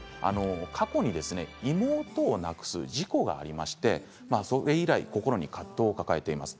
過去に妹を亡くす事故がありましてそれ以来、心に葛藤を抱えています。